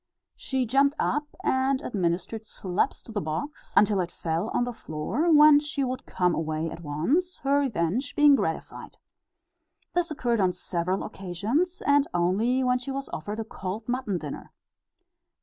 She jumped up and administered slaps to the box, until it fell on the floor, when she would come away at once, her revenge being gratified. This occurred on several occasions, and only when she was offered a cold mutton dinner.